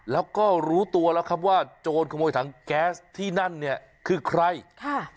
แล้วก็รู้ตัวแล้วครับว่าโจรขโมยถังแก๊สที่นั่นเนี่ยคือใครค่ะ